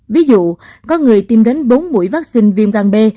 ví dụ có người tiêm đến bốn mũi vaccine viêm gan b